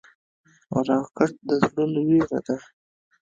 راکټ د زړونو وېره ده